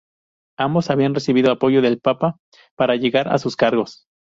Ambos habían recibido apoyo del papa para llegar a sus cargos.